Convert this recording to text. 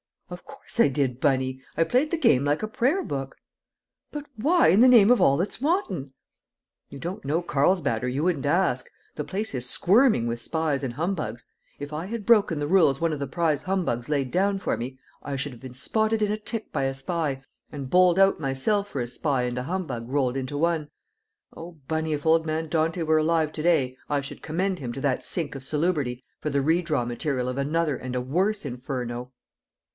"Of course I did, Bunny. I played the game like a prayer book." "But why, in the name of all that's wanton?" "You don't know Carlsbad, or you wouldn't ask. The place is squirming with spies and humbugs. If I had broken the rules one of the prize humbugs laid down for me I should have been spotted in a tick by a spy, and bowled out myself for a spy and a humbug rolled into one. Oh, Bunny, if old man Dante were alive to day I should commend him to that sink of salubrity for the redraw material of another and a worse Inferno!"